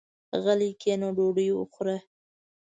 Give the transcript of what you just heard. غلی کېنه ډوډۍ وخوره.